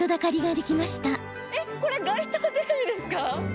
えっこれ街頭テレビですか？